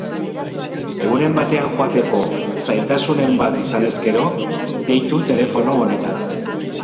Egunen batean joateko zailtasunen bat izanez gero, deitu telefono honetara.